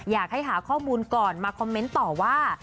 อยากให้หาข้อมูลก่อนมาคอมเมนต์ต่อว่า